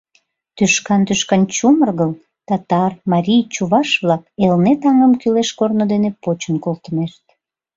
Тӱшкан-тӱшкан чумыргыл, татар, марий, чуваш-влак Элнет аҥым кӱлеш корно дене почын колтынешт.